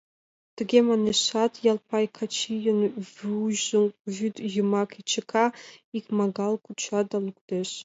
Тыге манешат, Ялпай Качийын вуйжым вӱд йымак чыка, икмагал куча да луктеш.